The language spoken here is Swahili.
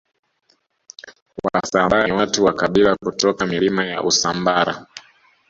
Wasambaa ni watu wa kabila kutoka Milima ya Usambara